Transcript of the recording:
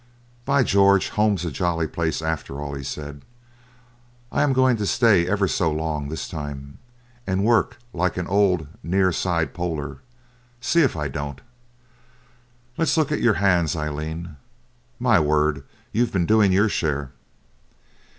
'By George! home's a jolly place after all,' he said. 'I am going to stay ever so long this time, and work like an old near side poler see if I don't. Let's look at your hands, Aileen; my word, you've been doin' your share.'